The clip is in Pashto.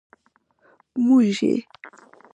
موږي.